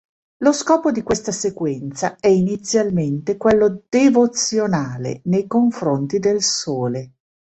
Lo scopo di questa sequenza, è inizialmente quello devozionale nei confronti del sole.